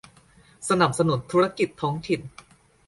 สนับสนุนธุรกิจท้องถิ่น